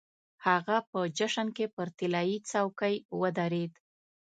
هغه په جشن کې پر طلايي څوکۍ ودرېد.